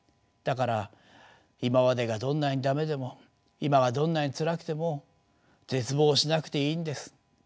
だから今までがどんなに駄目でも今はどんなにつらくても絶望しなくていいんです。